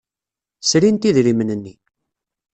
Srint idrimen-nni.